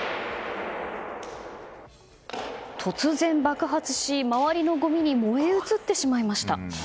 突然爆発し、周りのごみに燃え移ってしまいました。